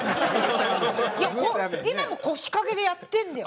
いや今も腰掛けでやってんだよ。